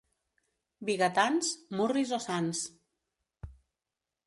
Vigatans, murris o sants.